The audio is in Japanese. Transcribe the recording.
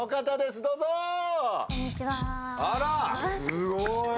すごーい。